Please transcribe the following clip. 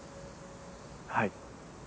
はい。